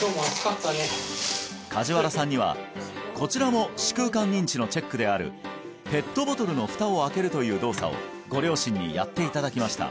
今日も暑かったね梶原さんにはこちらも視空間認知のチェックであるペットボトルのフタを開けるという動作をご両親にやっていただきました